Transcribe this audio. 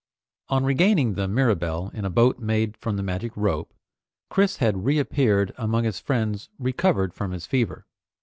On regaining the Mirabelle in a boat made from the magic rope, Chris had reappeared among his friends, "recovered" from his fever.